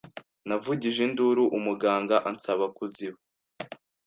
Navugije induru, umuganga ansaba kuziba